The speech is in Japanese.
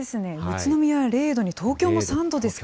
宇都宮０度に、東京も３度ですか。